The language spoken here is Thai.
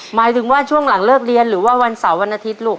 หมายถึงว่าช่วงหลังเลิกเรียนหรือว่าวันเสาร์วันอาทิตย์ลูก